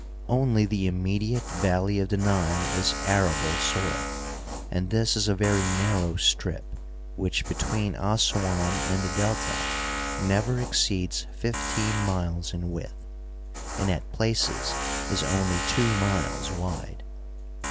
Only the immediate valley of the Nile is arable soil, and this is a very narrow strip, which between Assuan and the Delta never exceeds fifteen miles in width, and at places is only two miles wide.